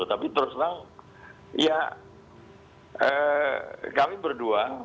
tapi terus terang ya kami berdua